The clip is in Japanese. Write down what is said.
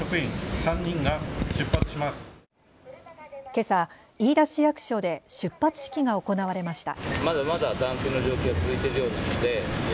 けさ飯田市役所で出発式が行われました。